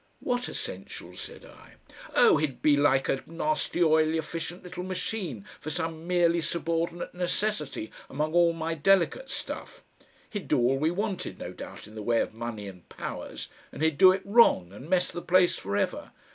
"What essentials?" said I. "Oh! he'd be like a nasty oily efficient little machine for some merely subordinate necessity among all my delicate stuff. He'd do all we wanted no doubt in the way of money and powers and he'd do it wrong and mess the place for ever.